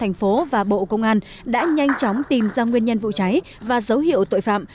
công an tp hcm và bộ công an đã nhanh chóng tìm ra nguyên nhân vụ cháy và dấu hiệu tội phạm